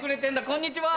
こんにちは！